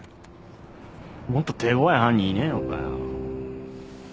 もっと手ごわい犯人いねえのかよ。